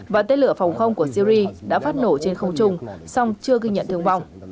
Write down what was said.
và tên lửa phòng không của syri đã phát nổ trên không chung song chưa ghi nhận thương vong